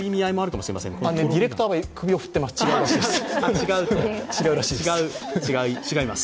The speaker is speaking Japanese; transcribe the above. ディレクターが首を振ってます。